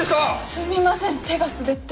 すみません手が滑って。